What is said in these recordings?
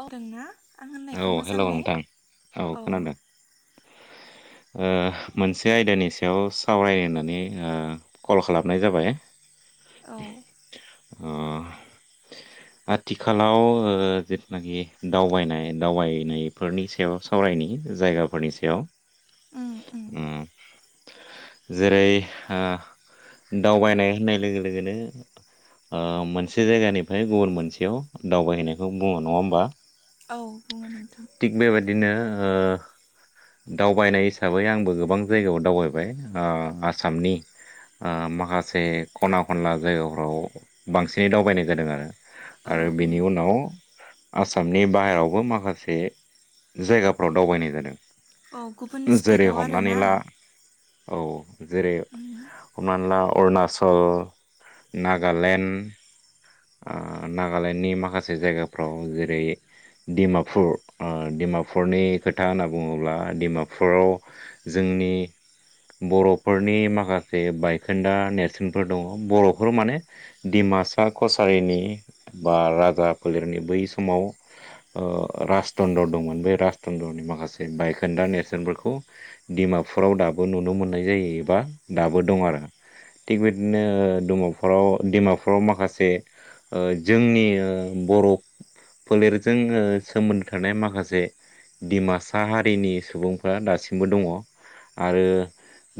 औ खोनादों ना? औ हेल' नोंथां औ खोनादों ओ मोनसे आयदानि सायाव सावराय होननानै ओ कल खालामनाय जाबाय। औ ओ आथिखालाव ओ जिथु नाखि दावबायनाय दावबायनायफोरनि सायाव सावरायनि जायगाफोरनि सायाव। उम उम ओ जेरै ओ दावबायनाय होननाय लोगो लोगोनो ओ मोनसे जायगानिफ्राय गुबुन मोनसेयाव दावबायहैनायखौ बुंङो नंङा होमबा। औ बुंङो नोंथां। थिग बेबायदिनो ओ दावबायनाय हिसाबै आंबो गोबां जायगायाव दावबायबाय ओ आसामनि ओ माखासे ख'ना ख'नला जायगाफ्राव बांसिनै दावबायनाय जादों आरो। औ आरो ओं बिनि उनाव आसामनि बाहेरायाव बो माखासे जायगाफ्राव दावबायनाय जादों। औ गुबुन जेरै स्टेटआव आरो हमनानै ना। ला औ जेरै हमना ला अरुणाचल, नागालेण्ड आ नागालेण्डनि माखासे जायगाफ्राव जेरै डिमापुर ओ डिमापुरनि खोथा होनना बुंङोब्ला डिमापुराव जोंनि बर'फोरनि माखासे बायखोन्दा नेरसोनफोर दंङ बर'फोर माने दिडिमासा कसारिनि बा राजा फोलेरनि बै समाव ओ राजदन्द्र दं मोन बे राजथनथ्रनि माखासे बायखोन्दा नेरसोनफोरखौ दिडमापुराव दाबो नुनो मोननाय जायो। ए बा दाबो दं आरो थिग बिदिनो दमापुराव दिमापुराव माखासे से जोंनि बर' फोलेरजों ओ सोमोन्दो थानाय माखासे डिमासा हारिनि सुबुंफोरा दासिमबो दङ। आरो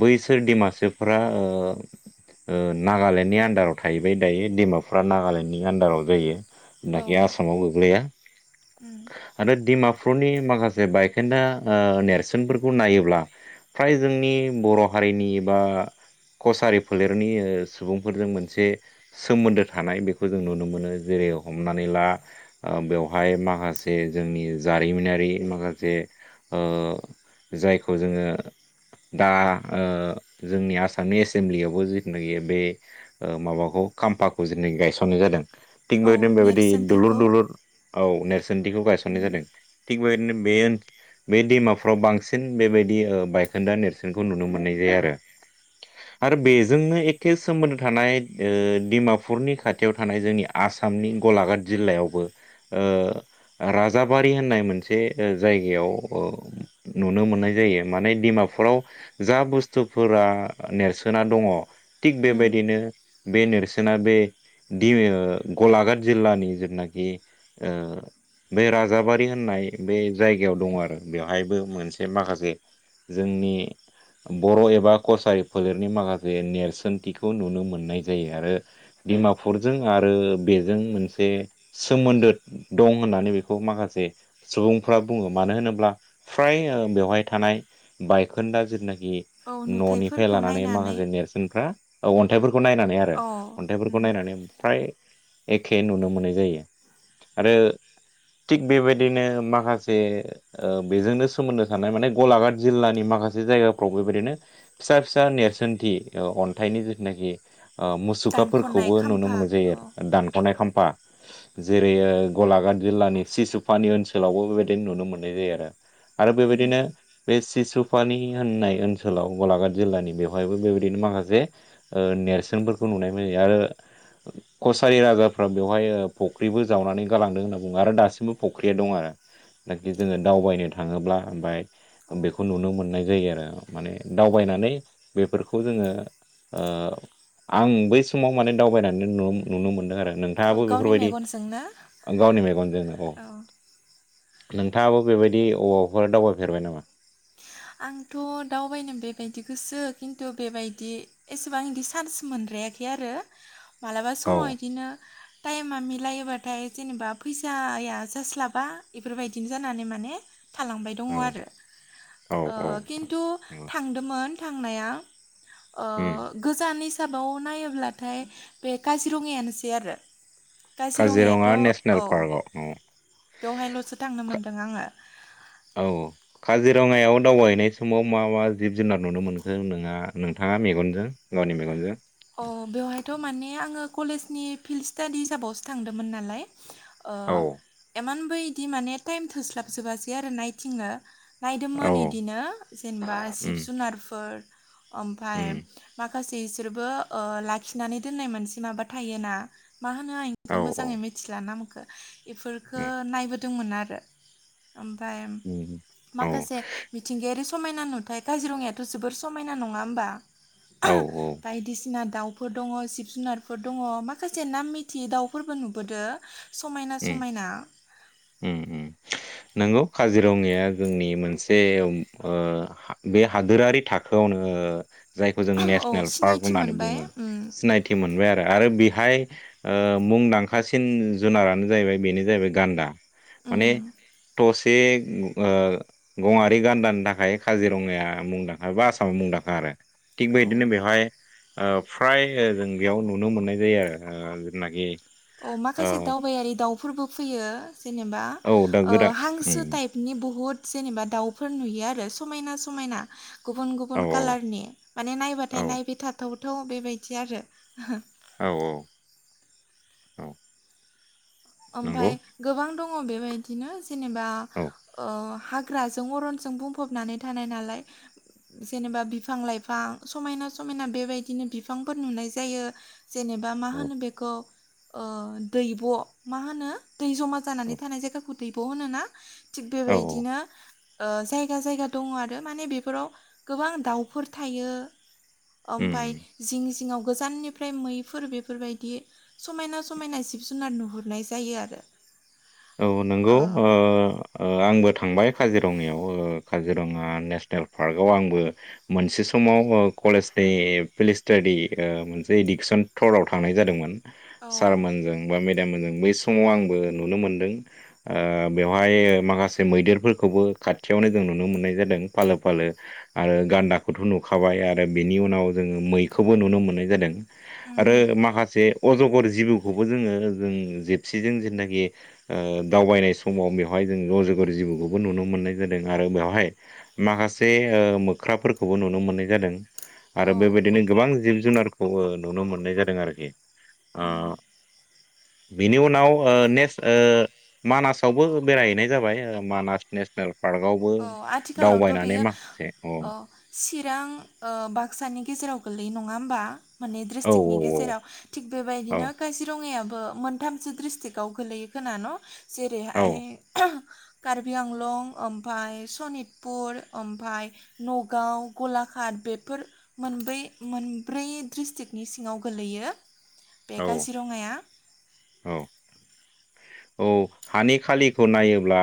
बैसोर डिमासाफोरा ओ ओ नागालेण्डनि आन्दाराव थाहैबाय दायो डिमापु फ्रा नागालेण्डनि आन्दाराव जायो औ जेनाखि आसामाव गोग्लैया। उम आरो दिमा पुरनि माखासे बायखेन्दा नेरसोनफोरखौ नायोब्ला फ्राय जोंनि बर' हारि बैनि बा कसारि फोलेरनि सुबुंफोरजों मोनसे सोमोन्दो थानाय बेखौ जों नुनो मोनो जेरै हमनानै ला बेवहाय माखासे जोंनि जा जारिमिनारि माखासे ओ जायखौ जोंङो दा जोंनि ओ आसामनि एसेमब्लियावबो जिथुनाखि बे ओ माबाखौ खाम्फाखौ जिनाखि गायसननाय जादों थिग औ बेबायदिनो बेबायदि दुलुर नेरसोनथिखौ दुलुर औ नेरसोनथिखौ गायसननाय उम जादों थिग बेबायदिनो बे बे दैमाफ्राव बांसिन बेबायदि दि बायखोन्दा नेरसोनखौ नुनो मोननाय जायो आरो। आरो बेजोंनो एखे सोमोन्दो थानाय ओ दिमा पुरनि खाथियाव थानाय जोंनि आसामनि गलाघाट जिल्लायावबो ओ राजाबा रि होननाय मोनसे जायगायाव ओ नुनो मोननाय जायो माने दिमापुराव जा बुस्थुफोरा नेरसोना दंङ थिग उम बेबायदिनो बे नेरसोना बे दि ओ गलाघाट जिल्लानि जेनाखि बे राजाबारि होननाय बे जायगायाव दङ आरो बेवहायबो मोनसे माखासे जोंनि बर' एबा कसारि फोलेरनि माखासे नेरसोनथिखौ नुनो मोननाय जायो आरो दिमापुरजों आरो बेजों मोनसे सोमोन्दो दं होननानै बेखौ माखासे से सुबुंफोरा बुङो मानो होनोब्ला फ्राय बेवहाय थानाय बायखोन्दा जेथुनाखि औ न'निफ्राय नुथायफोरखौ लानानै नायनानै माखासे नेरसोनफ्रा अन्थाइफोरखौ नायनानै आरो अ अन्थाइफोरखौ उम नायनानै फ्राय एखे नुनो मोननाय जायो आरो थिग बेबायदिनो माखासे ओ बेजोंनो सोमोन्दो थानाय माने गलाघाट जिल्लानि मा माखासे जायगाफ्राव बेबायदिनो फिसा फिसा नेरसोनथि ओ अन्थाइनि जिथुनाखि ओ दानख'नाय मुसुखाफोरखौबो नुनो खाम्फा मोननाय जायो अ आरो दानख'नाय खाम्फा जेरै गलाघाट जिल्लानि सिसुपानि ओनसोलावबो बेबायदि नुनो मोननाय जायो आरो। आरो उम बेबायदिनो बे सिसुपानि होननाय ओनसोलाव गलाघाट जिल्लानि बेवहायबो बेबायदिनो। माखासे ओ नेरसोनफोरखौ नुनाय जायो आरो। कसारि राजाफ्रा बेवहाय फख्रिबो जावनानै गालांदों होनना बुङो आरो दासिमबो फख्रिया दं आरो। बेवहाय जोङो दावबायनो थाङोब्ला ओमफ्राय औ बेखौ नुनो मोननाय जायो आरो माने दावबायनानै बेफोरखौ जोङो ओ आं बै समाव माने दावबायनानै नुनो नुनो मोनदों आरो थिख औ नोंथाङाबो गावनि बेफोरबायदि मेगनजोंनो गावनि मेगनजोंनो औ नोंथाङाबो बेबायदि अबाफोर दावबायफेरबाय नामा? आंथ' दावबायनो बेबायदि गोसो खिन्थु बेबायदि एसेबांदि चान्स मोनद्राया। फेराखै आरो मालाबा औ समाव इदिनो थाइम आ मेलाया। बाथाय जेनेबा फैसाया जास्लाबा बेफोरबायदिनो जानानै माने थालांबाय दङ औ आरो औ ओ औ खिन्थु औ थांदोंमोन थांनाया ओ उम गोजानै हिसाबाव नायोब्लाथाय बे काजिरङायानोसै आरो। काजिरङा काजिरङायाथ' नेसनेल औ पार्कआव औ बेवहायल'सो थांनो मोनदों। मोनदों आङो औ। काजिरङायाव दावबायहैनाय समाव मा मा जिब जुनार नुनो मोनखो नों नोंथाङा मेगनजों गावनि मेगनजों। अ बेवहायथ' माने आङो कलेजनि फिल्ड स्टाडि हि साबावसो थांदोंमोन नालाय ओ औ इमान बायदि माने टाइम थोस्लाबजोबासै आरो नायथिंआ। औ नायदोंमोन बिदिनो जेनेबा उम जिब जुनारफोर ओमफाय उम माखासे बिसोरबो लाखिनानै दोननाय मोनसे माबा थायोना? मा होनो आं बेखौ औ औ मोजाङै मिथिला नामखौ। बेफोरखौ उम नायबोदोंमोन आरो। ओमफ्राय उम औ माखासे मिथिंगायारि समायना नुथाय काजिरङायाथ' जोबोर समायना नङा होमबा। औ औ। बायसिना दाउफोर दङ जिब जुनारफोर दङ माखासे नाम मिथियै दाउफोरबो नुबोदों। उम उम उम नोंगौ काजिरङाया जोंनि मोनसे। जे बे हादोरारि थाखोआवनो जायखौ जों औ नेसनेल पार्क सिनायथि होननानै मोनबाय बुङो उम सिनायथि मोनबाय आरो बे बेहाय ओ मुंदांखासिन जुनारानो जाहैबाय बेनो जाहैबाय गान्दा। उम माने टस बे ओ गङारि गान्दानि थाखाय काजिरङाया मुंदांखा बा आसामा मुंदांखा आरो। थिग औ बे बिदिनो बेहाय। ओ फ्राय ओ बेयाव नुनो मोननाय जायो आरो जेनाखि अ माखासे ओ दावबायारि दाउफोरबो फैयो। जेनेबा औ दा ओ गोरा उम हांसो टाइपनि बहुद जेनेबा दाउफोर नुयो आरो समायना समायना। गुबुन औ गुबुन कालारनि माने नायबाथाय औ नायबाय थाथावथाव बेबायदि आरो। औ औ औ। नंगौ ओमफाय गोबां दङ बेबायदिनो जेनेबा। औ हाग्राजों अरनजों बुंफबनानै थानाय नालाय जेनेबा बिफां लाइफां समायना। समायना समायना बेबायदिनो बिफांफोर नुनाय जायो। जेनेबा मा औ होनो बेखौ दैब' मा होनो? दै जमा जानानै औ थानाय जायगाखौ दैब'होनो ना थिग औ बेबायदिनो। जायगा जायगा दंङ आरो माने बेफोराव गोबां दाउफोर थायो उम ओमफफ्राय जिं जिंङाव गोजाननिफ्राय मैफोर बेफोरबायदि समायना समायना जिब जुनार नुहुरो नाय जायो आरो औ नंगौ ओ आंबो थांबाय काजिरङायाव काजिरङा नेसनेल पार्कआव आंबो मोनसे समाव कलेज बे पिलिस्टारि मोनसे एडिक्सन थराव थांनाय जादोंमोन औ सारमोनजों बा मेदाम मोनजों बै समाव आंबो नुनो मोनदों ओ बेवहाय माखासे मैदेरफोरखौबो खाथियावनो जों नुनो मोननाय जादों फालो ह फालो आरो गान्दाखौथ नुखाबाय आरो बिनि उनाव जोंङो मैखौबो नुनो मोननाय जादों आरो उम माखासे अजगर जिबौखौबो जोंङो जों जेबसिजों जेनाखि दावबायनाय समाव बेवहाय जों रजगर जिबौखौबो नुनो मोननाय जादों आरो बेवहाय माखासे सासे मोख्राफोरखौबो नुनो मोननाय जादों आरो औ बेबायदिनो औ गोबां जिब जुनारखौ नुनो मोननाय जादों आरोखि [inaudible] उम बिनि उनाव नेस मानासावबो बेरायहैनाय जाबाय मानास नेसनेल पार्कआवबो औ आथिखालावथ' दावबायनानै माखासे औ चां बाक्सानि गेजेराव गोलै नंङा होमबा माने औ ड्रिस्ट्रिक्टनि गेजेराव थिग औ बेबायदिनो काजिरङायाबो मोनथामसो ड्रिस्ट्रिक्आव गोलैयो खोनान औ जेरैहाय कार्बि आंलं ओमफफ्राय सनितपुर ओमफ्राय नगाव गलाघाट बेफोर मोनब्रै मोनब्रै ड्रिस्ट्रिकनि सिंङाव गोलैयो बे औ खासिरङाया [inaudible] औ औ हानि खालिखौ नायोब्ला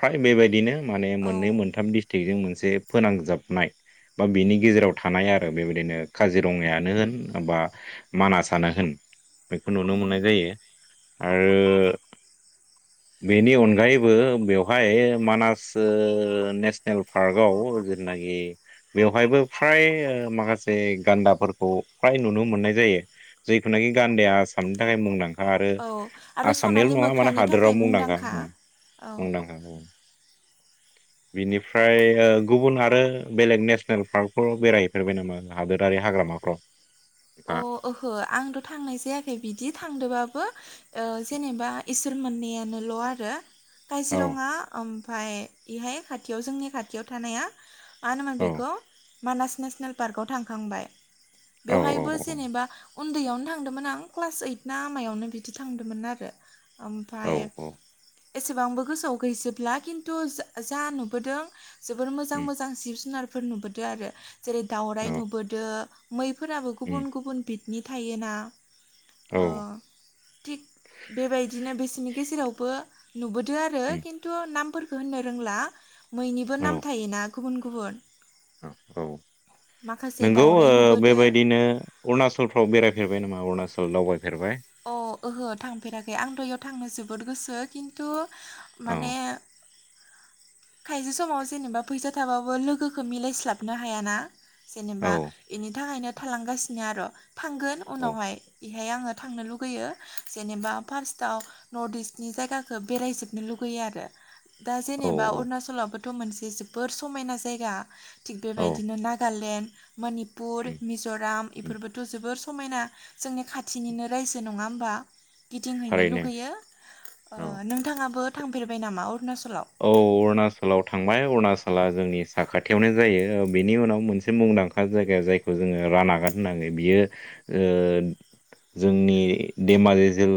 फ्राय बेबायदिनो माने औ मोननै मोनथाम दिस्टक्जों मोनसे फोनांजाबनाय बा बिनि उम गेजेराव थानाय आरो बेबाय बिओरैनो काजिरङायानो होन बबा मानासनो होन बेखौ नुनो उम मोननाय जायो आरो बेनि अनगायैबो बेवहाय मानास नेसनेल पार्कआव जेननाय आरो बेवहायबो फ्राय माखासे गान्दाफोरखौ फ्राय नुनो मोननाय जायो जायखौुनाखि गान्दाया आसामनि थाखाय मुंदां आरो औ आरो आसामनिल सनालि नङा माने मोख्रानि थाखाय हादोराव मुंदांखा औ मुंदांखा औ बिनिफ्राय गुबुन आरो बेलेग नेसनेल पार्कफोराव बेरायहैफेरबाय नामा हादोरारि हाग्रामाफ्राव अ नोंथाङा? ओहो आंथ थांनाय जायाखै बिदि थांदोंबाबो जेनेबा इसोर मोननैयानोल आरो औ काजिरङा ओमफ्राय बेहाय खाथियाव जोंनि खाथियाव थानाया मानोमोन औ बेखौ मानास नेसनेल पार्कआव थांखांबाय औ बेवहायबो जेनेबा उन्दैयावनो थांदोंमोन आं क्लास ओइद ना आमायावनो बिदि थांदोंमोन आरो औ ओमफ्राय औ एसेबांबो गोसोआव गैजोबला खिन्थु जा जा नुबोदों जोबोर मोजां उम मोजां जिब जुनार फोर नुबोदों आरो जेरै दाावराइ औ नुबोदों मैफोराबो उम गुबुन गुबुन बि नि थायोना औ ओ थिग बेबायदिनो बिसोरनि गेजेराव नुबोदो आरो उम खिन्थु नामफोरखौ होननो रोंला मैनिबो औ नाम थायोना गुबुन गुबुन [unintelligible] औ माखासे नोंगौ दाउराइ नुबोदो बेबायदिनो नो अरुणनाचलफ्राव बेरायफेरबाय नामा अरुणाचल दावबायफेरबाय अ ओहो थांफेराखै आंथ इयाव थांनो जोबोद गोसो खिन्थु औ माने खायसे समाव जेनेबा फैसा थाबाबो लोगोखौ मिलायस्लाबनो हायाना औ जेनेबा इनि थाखायनो थालांगासिनो आर' थांगोन औ उनावहाय बेहाय आङो थांनो लुुबैयो जेननोबा फार्स्टआव नर्थ इस्टनि जायगाखौ बेरायजोबनो लुुबैयो आरो दा औ जेनेबा अरुणाचलाबोथ' मोनसे जोबोर समायना जायगा थिग औ बेबायदिनो नागालेण्ड मोनिपुर उम मिज'राम उम बेफोरबोथ' जोबोर स समायना जोंनि उम, खाथिनिनो रायजो नङा होमबा गिदिंहैनो थारैनो लुगैयो औ नोंथाङाबो थांफेरबाय नामा अरुणाचल औ अरुणाचलाव थांबाय अरुणाचला जोंनि साखा खाथायावनाय जायो बेनि उनाव मोनसे मुंदांखा जायगा जायखौ जोङो रान आगाद होनाङो बियो [unintelligible] जोंनि धेमाजि जिल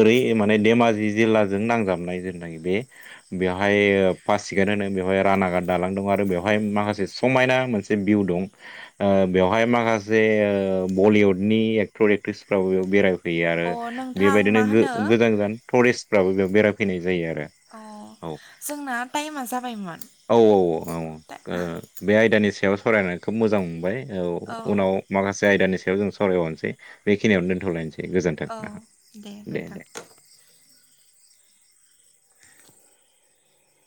ओरै माने धेमाजि जिल्लाजों नांजाबनाय जोंनो बे बेवहाय पासिगाट होनो बेवहाय रानागाट दालां दं आरो बेवहाय माखासे समायना मोनसे बिउ दं बेवहाय माखासे बलिउडनि एक्टर एक्ट्रिसफ्राबो बेराय गैयो आरो अ नोंथां बेबायदिनो मा होनो गोजान गोजान फरेस्टफ्राबो बेयाव बेरायफैनाय जायो आरो अ औ जोंना टाइमा जाबायमोन औ औ औ ओ दा- बे आयदानि नि सायाव सारायनानै खोब मोजां मोनबाय औ उनाव माखासे आयदानि सायाव जों सावरायबावनोसै बेखिनियाव दोनथ'लायनोसै। दे गोजोन्थों औ ओ दे दे